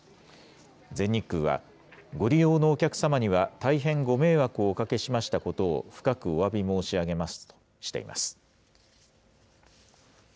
全日空は、ご利用のお客様には大変ご迷惑をおかけしましたことを深くおわび申し上げますとしています。